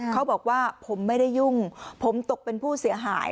เขาบอกว่าผมไม่ได้ยุ่งผมตกเป็นผู้เสียหาย